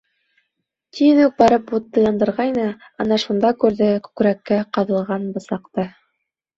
Тиҙ үк барып утты яндырғайны... ана шунда күрҙе күкрәккә ҡаҙалған бысаҡты.